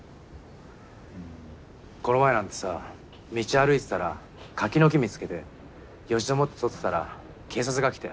この前なんてさ道歩いてたら柿の木見つけてよじ登って取ってたら警察が来て。